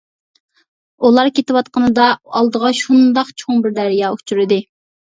ئۇلار كېتىۋاتقىنىدا ئالدىغا شۇنداق چوڭ بىر دەريا ئۇچرىدى.